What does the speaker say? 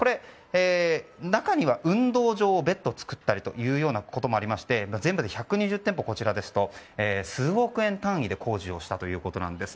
中には運動場を別途造ったりということもありまして全部で１２０店舗数億円単位の工事をしたということです。